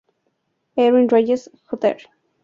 Ernie Reyes, Jr.